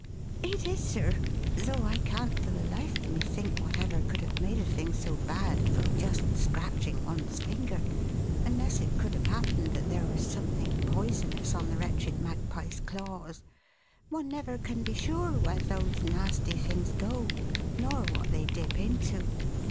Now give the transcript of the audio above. "It is, sir, though I can't for the life of me think whatever could have made a thing so bad from just scratching one's finger, unless it could have happened that there was something poisonous on the wretched magpie's claws. One never can be sure where those nasty things go nor what they dip into."